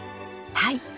はい。